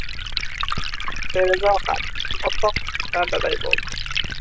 Deraza oqardi. Oppoq pardaday bo‘ldi.